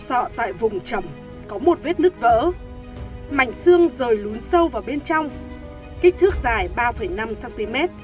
họ tại vùng trầm có một vết nứt vỡ mảnh xương rời lún sâu vào bên trong kích thước dài ba năm cm